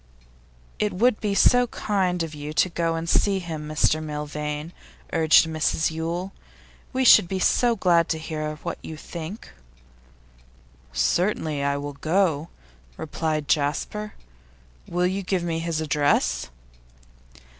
'It would be so kind of you to go and see him, Mr Milvain,' urged Mrs Yule. 'We should be so glad to hear what you think.' 'Certainly, I will go,' replied Jasper. 'Will you give me his address?